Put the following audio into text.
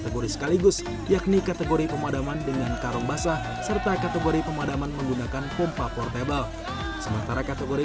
perjalanan karung basah serta kategori pemadaman menggunakan pompa portable sementara kategori